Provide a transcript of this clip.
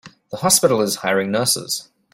The hospital is hiring nurses.